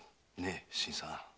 ねえ新さん？